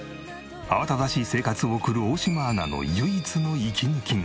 慌ただしい生活を送る大島アナの唯一の息抜きが。